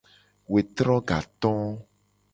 Wetro gato.